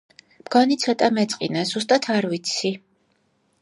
მგონი ცოტა მეწყინა, ზუსტად არ ვიცი.